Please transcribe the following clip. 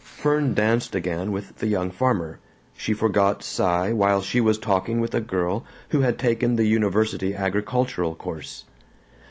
Fern danced again with the young farmer; she forgot Cy while she was talking with a girl who had taken the University agricultural course.